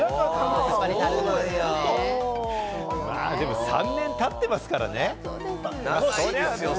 まあ、でも３年経ってますからね。